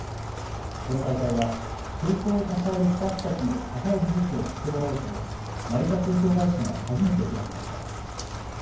この大会は空港を支えるスタッフたちの高い技術を知ってもらおうと成田空港会社が初めて開きました。